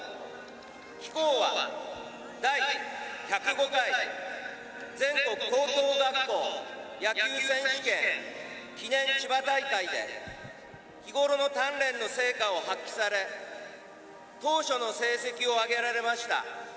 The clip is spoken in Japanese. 貴校は第１０５回全国高等学校野球選手権で日ごろの鍛錬の成果を発揮され成績を挙げられました。